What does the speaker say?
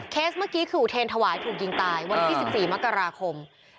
เมื่อกี้คืออุเทรนถวายถูกยิงตายวันที่๑๔มกราคม